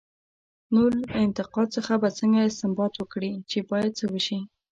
نو له انتقاد څخه به څنګه استنباط وکړي، چې باید څه وشي؟